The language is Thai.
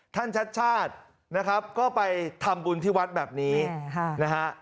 ชัดชาตินะครับก็ไปทำบุญที่วัดแบบนี้นะฮะ